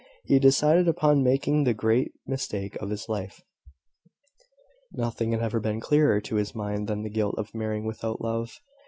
He decided upon making the great mistake of his life. Nothing had ever been clearer to his mind than the guilt of marrying without love.